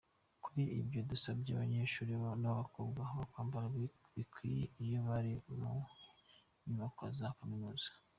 "Kuri ivyo dusavye abanyeshuli b'abakobwa kwambara bikwije iyo bari mu nyubakwa za Kaminuza.